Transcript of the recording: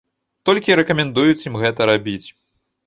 Толькі рэкамендуюць ім гэта рабіць.